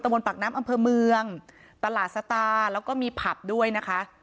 บนปากน้ำอำเภอเมืองตลาดสตาร์แล้วก็มีผับด้วยนะคะ